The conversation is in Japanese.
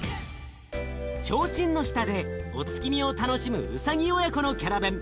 ちょうちんの下でお月見を楽しむうさぎ親子のキャラベン。